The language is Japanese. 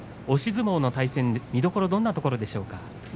押し相撲の対戦見どころはどんなところでしょうか。